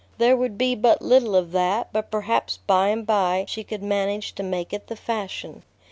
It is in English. There would be but little of that, but perhaps by and by she could manage to make it the fashion.